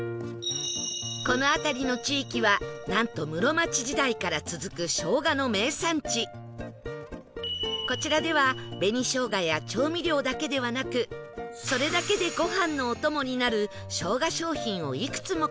この辺りの地域はなんとこちらでは紅生姜や調味料だけではなくそれだけでご飯のお供になる生姜商品をいくつも開発